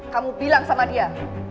kamu bilang sama dia